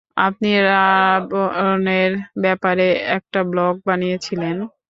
আপনি রাবণের ব্যাপারে একটা ব্লগ বানিয়েছিলেন।